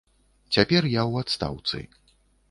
Цяпер я ў адстаўцы.